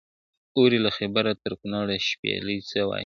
اوري له خیبره تر کنړه شپېلۍ څه وايي ,